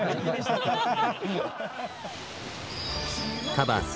「カバーズ」